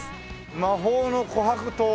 「魔法の琥珀糖」